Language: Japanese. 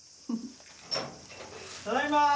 ただいま！